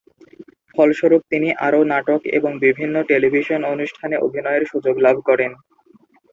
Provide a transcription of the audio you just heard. ফলস্বরূপ তিনি আরও নাটক এবং বিভিন্ন টেলিভিশন অনুষ্ঠানে অভিনয়ের সুযোগ লাভ করেন।